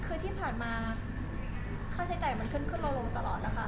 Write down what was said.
คือที่ผ่านมาค่าใช้จ่ายมันขึ้นโลตลอดนะคะ